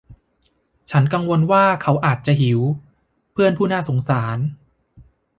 ฉันกังวลว่าเขาอาจจะหิว เพื่อนผู้น่าสงสาร